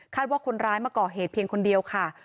ว่าคนร้ายมาก่อเหตุเพียงคนเดียวค่ะ